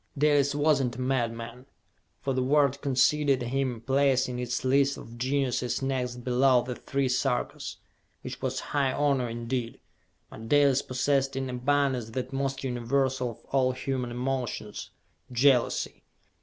Dalis was not a madman, for the world conceded him place in its list of geniuses next below the three Sarkas, which was high honor indeed; but Dalis possessed in abundance that most universal of all human emotions jealousy.